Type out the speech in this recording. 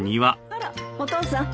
あらお父さん